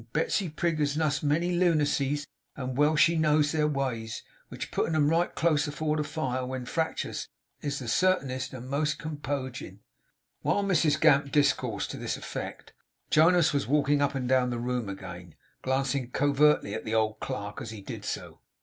Betsey Prig has nussed a many lunacies, and well she knows their ways, which puttin' 'em right close afore the fire, when fractious, is the certainest and most compoging.' While Mrs Gamp discoursed to this effect, Jonas was walking up and down the room again, glancing covertly at the old clerk, as he did so.